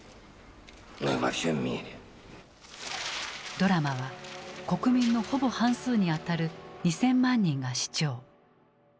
ドラマは国民のほぼ半数に当たる２，０００万人が視聴。